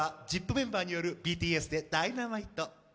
メンバーによる、ＢＴＳでＤｙｎａｍｉｔｅ。